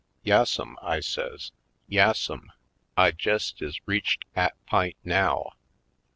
"Yassum," I says, "yassum, I jest is reached 'at p'int, now.